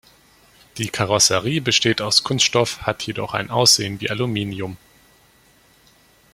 Die Karosserie besteht aus Kunststoff, hat jedoch ein Aussehen wie Aluminium.